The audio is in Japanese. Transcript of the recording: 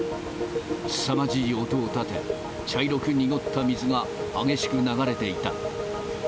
すさまじい音を立て、茶色く濁った水が激しく流れていた。